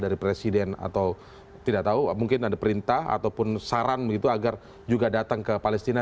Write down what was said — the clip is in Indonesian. dari presiden atau tidak tahu mungkin ada perintah ataupun saran begitu agar juga datang ke palestina